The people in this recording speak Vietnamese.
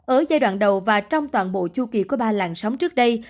ở giai đoạn đầu và trong toàn bộ chu kỳ của ba làn sóng trước đây